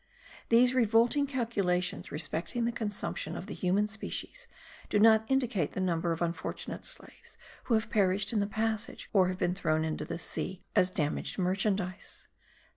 These revolting calculations respecting the consumption of the human species do not include the number of unfortunate slaves who have perished in the passage or have been thrown into the sea as damaged merchandize.